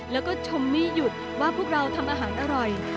และชมไม่หยุดที่เราทำอาหารอร่อย